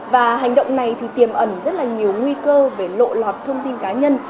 và hành động này thì tiềm ẩn rất là nhiều nguy cơ về lộ lọt thông tin cá nhân